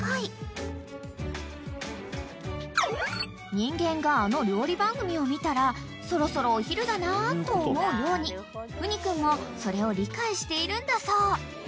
［人間があの料理番組を見たらそろそろお昼だなと思うようにうに君もそれを理解しているんだそう］